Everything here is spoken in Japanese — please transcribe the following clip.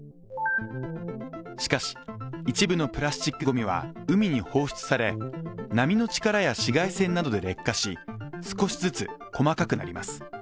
しかし、一部のプラスチックごみは海に放出され波の力や紫外線などで劣化し少しずつ細かくなります。